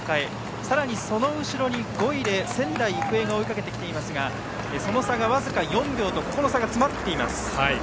さらに、その後ろに５位で仙台育英が追いかけてきていますがその差が僅か４秒と差が詰まってきています。